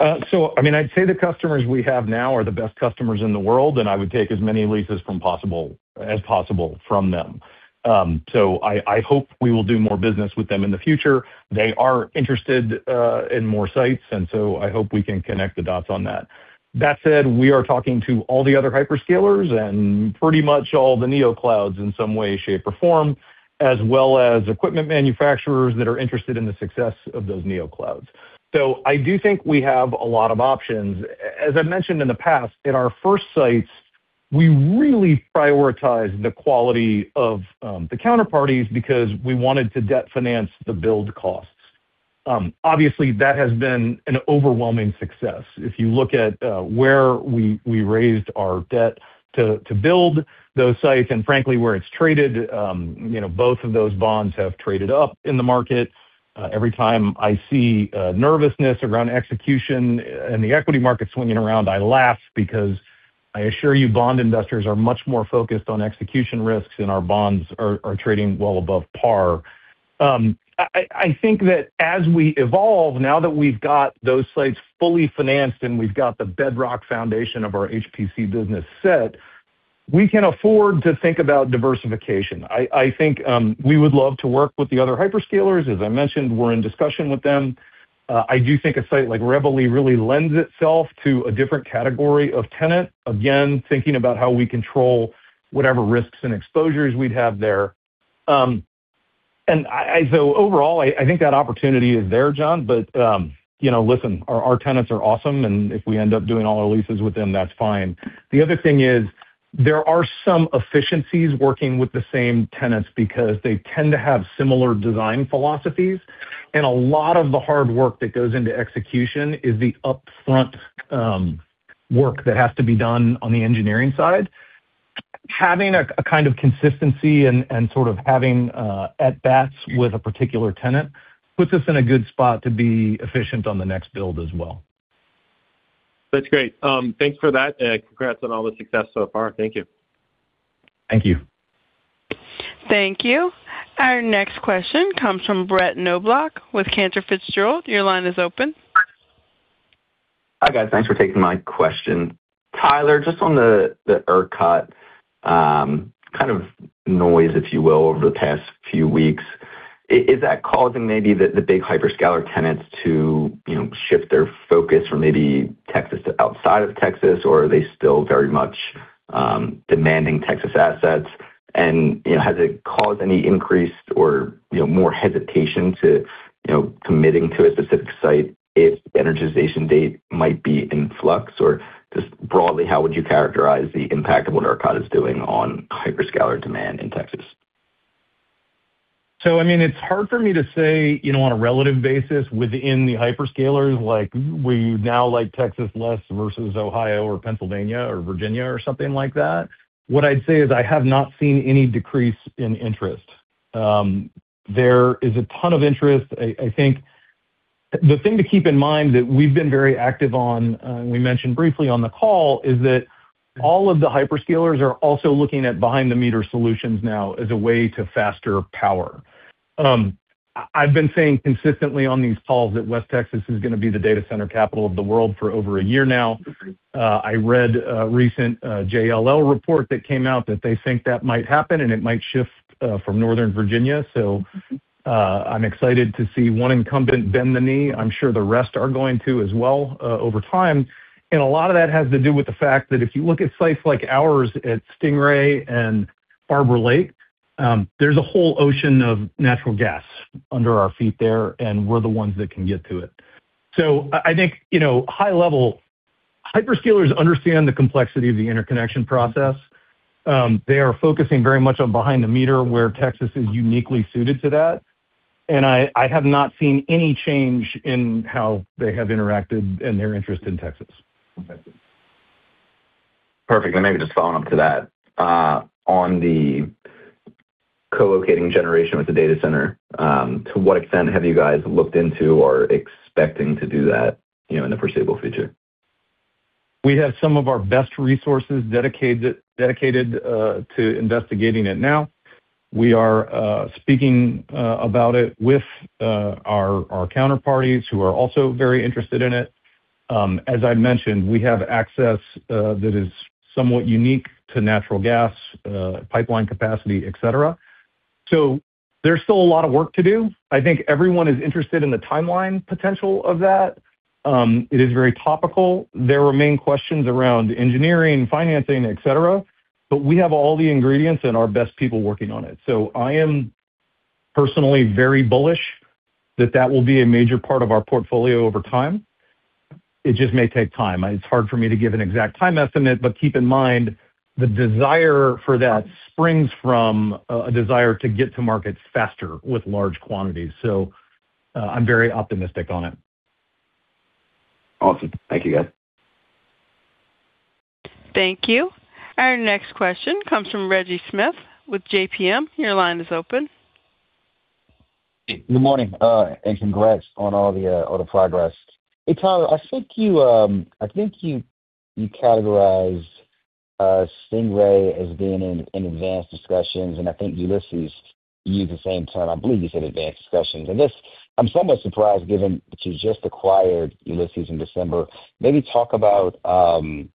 I mean, I'd say the customers we have now are the best customers in the world, I would take as many leases as possible from them. I hope we will do more business with them in the future. They are interested in more sites, I hope we can connect the dots on that. That said, we are talking to all the other hyperscalers and pretty much all the neoclouds in some way, shape, or form, as well as equipment manufacturers that are interested in the success of those neoclouds. I do think we have a lot of options. As I've mentioned in the past, in our first sites, we really prioritized the quality of the counterparties because we wanted to debt finance the build costs. Obviously, that has been an overwhelming success. If you look at where we raised our debt to build those sites and frankly, where it's traded, you know, both of those bonds have traded up in the market. Every time I see nervousness around execution and the equity market swinging around, I laugh because I assure you, bond investors are much more focused on execution risks, and our bonds are trading well above par. I think that as we evolve, now that we've got those sites fully financed and we've got the bedrock foundation of our HPC business set, we can afford to think about diversification. I think we would love to work with the other hyperscalers. As I mentioned, we're in discussion with them. I do think a site like Reveille really lends itself to a different category of tenant. Again, thinking about how we control whatever risks and exposures we'd have there. I think that opportunity is there, John, you know, listen, our tenants are awesome, and if we end up doing all our leases with them, that's fine. The other thing is. There are some efficiencies working with the same tenants because they tend to have similar design philosophies. A lot of the hard work that goes into execution is the upfront work that has to be done on the engineering side. Having a kind of consistency and sort of having at bats with a particular tenant puts us in a good spot to be efficient on the next build as well. That's great. Thanks for that. Congrats on all the success so far. Thank you. Thank you. Thank you. Our next question comes from Brett Knoblauch with Cantor Fitzgerald. Your line is open. Hi, guys. Thanks for taking my question. Tyler, just on the ERCOT, kind of noise, if you will, over the past few weeks, is that causing maybe the big hyperscaler tenants to, you know, shift their focus from maybe Texas to outside of Texas, or are they still very much, demanding Texas assets? You know, has it caused any increase or, you know, more hesitation to, you know, committing to a specific site if the energization date might be in flux? Just broadly, how would you characterize the impact of what ERCOT is doing on hyperscaler demand in Texas? It's hard for me to say on a relative basis within the hyperscalers, we now like Texas less versus Ohio or Pennsylvania or Virginia or something like that. What I'd say is I have not seen any decrease in interest. There is a ton of interest. I think the thing to keep in mind that we've been very active on, and we mentioned briefly on the call, is that all of the hyperscalers are also looking at behind-the-meter solutions now as a way to faster power. I've been saying consistently on these calls that West Texas is gonna be the data center capital of the world for over 1 year now. I read a recent JLL report that came out, that they think that might happen, and it might shift from northern Virginia. I'm excited to see one incumbent bend the knee. I'm sure the rest are going to as well over time, and a lot of that has to do with the fact that if you look at sites like ours at Stingray and Barber Lake, there's a whole ocean of natural gas under our feet there, and we're the ones that can get to it. I think, you know, high level, hyperscalers understand the complexity of the interconnection process. They are focusing very much on behind-the-meter, where Texas is uniquely suited to that, and I have not seen any change in how they have interacted and their interest in Texas. Perfect. Maybe just following up to that, on the co-locating generation with the data center, to what extent have you guys looked into or are expecting to do that, you know, in the foreseeable future? We have some of our best resources dedicated to investigating it now. We are speaking about it with our counterparties who are also very interested in it. As I'd mentioned, we have access that is somewhat unique to natural gas pipeline capacity, et cetera. There's still a lot of work to do. I think everyone is interested in the timeline potential of that. It is very topical. There remain questions around engineering, financing, et cetera, but we have all the ingredients and our best people working on it. I am personally very bullish that that will be a major part of our portfolio over time. It just may take time. It's hard for me to give an exact time estimate, but keep in mind, the desire for that springs from a desire to get to markets faster with large quantities. I'm very optimistic on it. Awesome. Thank you, guys. Thank you. Our next question comes from Reggie Smith with JPM. Your line is open. Good morning, and congrats on all the progress. Hey, Tyler, I think you, I think you categorized Stingray as being in advanced discussions, and I think Ulysses, you used the same term. I believe you said advanced discussions. This, I'm somewhat surprised, given that you just acquired Ulysses in December. Maybe talk about one,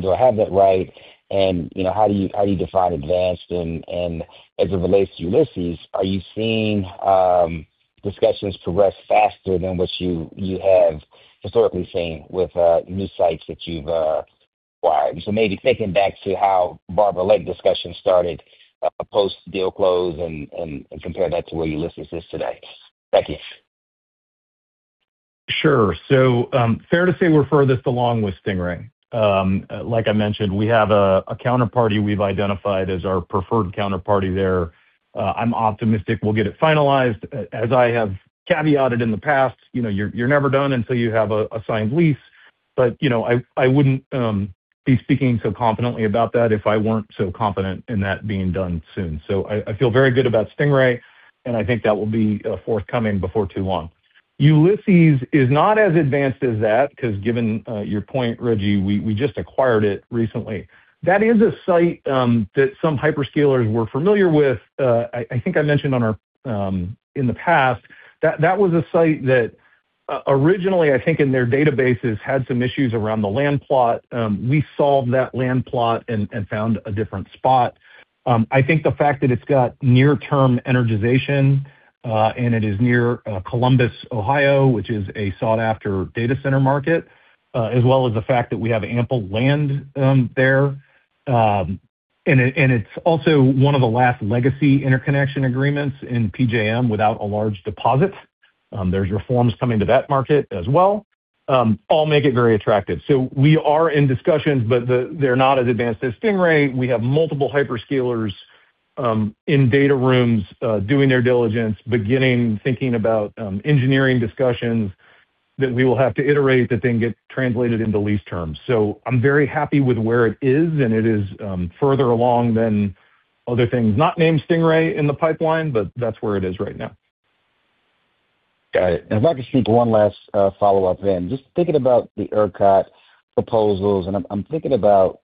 do I have that right, and, you know, how do you define advanced? As it relates to Ulysses, are you seeing discussions progress faster than what you have historically seen with new sites that you've acquired? Maybe thinking back to how Barber Lake discussions started post-deal close and compare that to where Ulysses is today. Thank you. Sure. fair to say we're furthest along with Stingray. Like I mentioned, we have a counterparty we've identified as our preferred counterparty there. I'm optimistic we'll get it finalized. As I have caveated in the past, you know, you're never done until you have a signed lease. You know, I wouldn't be speaking so confidently about that if I weren't so confident in that being done soon. I feel very good about Stingray, and I think that will be forthcoming before too long. Ulysses is not as advanced as that, because given your point, Reggie, we just acquired it recently. That is a site that some hyperscalers were familiar with. I think I mentioned on our. In the past, that was a site that originally, I think in their databases, had some issues around the land plot. We solved that land plot and found a different spot. I think the fact that it's got near-term energization, and it is near Columbus, Ohio, which is a sought-after data center market, as well as the fact that we have ample land there. And it's also one of the last legacy interconnection agreements in PJM without a large deposit. There's reforms coming to that market as well, all make it very attractive. We are in discussions, but they're not as advanced as Stingray. We have multiple hyperscalers in data rooms doing their diligence, beginning thinking about engineering discussions that we will have to iterate that then get translated into lease terms. I'm very happy with where it is, and it is further along than other things, not named Stingray in the pipeline, but that's where it is right now. Got it. If I could sneak one last follow-up in. Just thinking about the ERCOT proposals, I'm thinking about,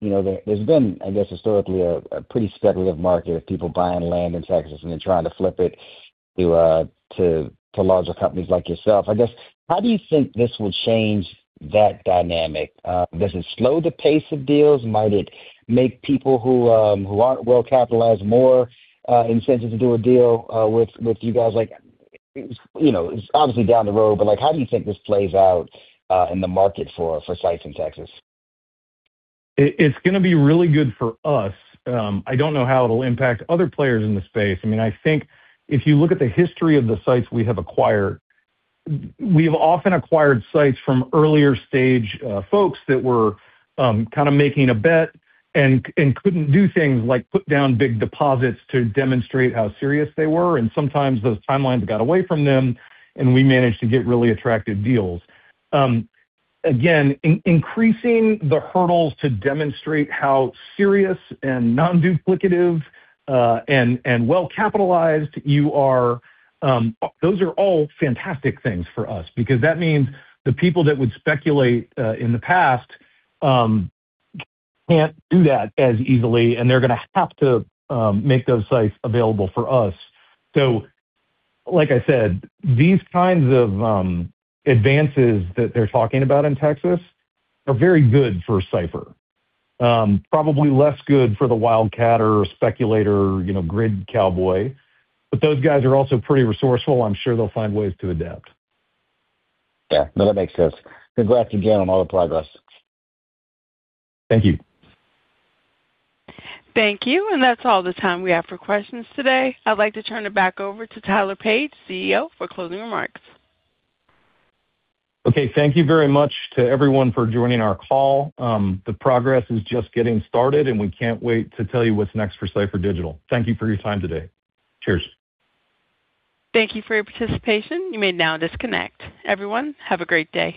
you know, there's been, I guess, historically, a pretty speculative market of people buying land in Texas and then trying to flip it to larger companies like yourself. I guess, how do you think this will change that dynamic? Does it slow the pace of deals? Might it make people who aren't well-capitalized more incentive to do a deal with you guys? Like, you know, it's obviously down the road, but, like, how do you think this plays out in the market for sites in Texas? It's gonna be really good for us. I don't know how it'll impact other players in the space. I mean, I think if you look at the history of the sites we have acquired, we've often acquired sites from earlier stage, folks that were kind of making a bet and couldn't do things like put down big deposits to demonstrate how serious they were, and sometimes those timelines got away from them, and we managed to get really attractive deals. Again, increasing the hurdles to demonstrate how serious and non-duplicative, and well-capitalized you are, those are all fantastic things for us because that means the people that would speculate in the past, can't do that as easily, and they're gonna have to make those sites available for us. Like I said, these kinds of advances that they're talking about in Texas are very good for Cipher. Probably less good for the wildcatter or speculator, you know, grid cowboy, but those guys are also pretty resourceful. I'm sure they'll find ways to adapt. Yeah. No, that makes sense. Congrats again on all the progress. Thank you. Thank you. That's all the time we have for questions today. I'd like to turn it back over to Tyler Page, CEO, for closing remarks. Okay. Thank you very much to everyone for joining our call. The progress is just getting started. We can't wait to tell you what's next for Cipher Digital. Thank you for your time today. Cheers. Thank you for your participation. You may now disconnect. Everyone, have a great day.